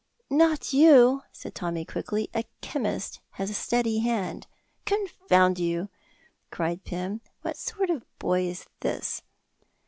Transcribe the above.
"Not you," said Tommy, quickly; "a chemist has a steady hand." "Confound you!" cried Pym, "what sort of a boy is this?"